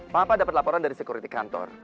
papa dapat laporan dari sekuriti kantor